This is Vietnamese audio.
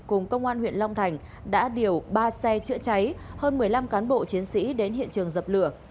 cùng công an huyện long thành đã điều ba xe chữa cháy hơn một mươi năm cán bộ chiến sĩ đến hiện trường dập lửa